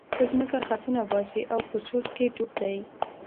په ځمکه خطونه باسي او په چورت کې ډوب دی.